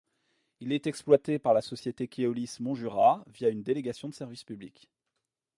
Il est exploité par la société Keolis Monts-Jura, via une délégation de service public.